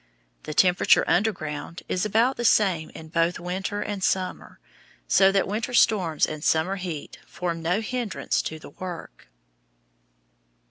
The temperature underground is about the same in both winter and summer, so that winter storms and summer heat form no hindrance to the work.